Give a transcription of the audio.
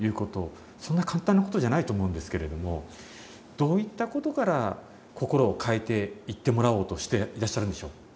そんな簡単なことじゃないと思うんですけれどもどういったことから心を変えていってもらおうとしていらっしゃるんでしょう？